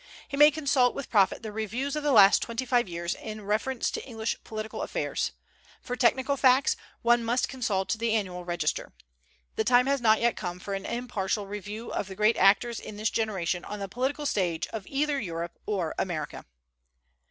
He may consult with profit the Reviews of the last twenty five years in reference to English political affairs. For technical facts one must consult the Annual Register. The time has not yet come for an impartial review of the great actors in this generation on the political stage of either Europe or America.